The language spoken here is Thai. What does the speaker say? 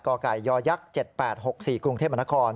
กยย๗๘๖๔กรุงเทพมนาคม